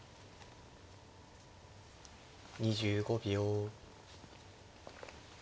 ２５秒。